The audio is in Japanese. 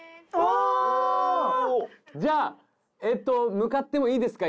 向かってもいいですか？